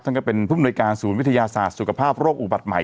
ก็เป็นผู้มนุยการศูนย์วิทยาศาสตร์สุขภาพโรคอุบัติใหม่